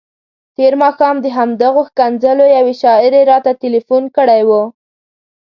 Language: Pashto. تېر ماښام د همدغو ښکنځلو یوې شاعرې راته تلیفون کړی وو.